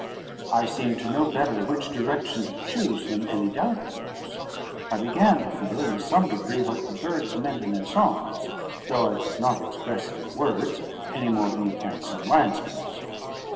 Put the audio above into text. I seemed to know better which direction to choose when any doubt arose. I began to feel in some degree what the birds meant in their songs, though I could not express it in words, any more than you can some landscapes.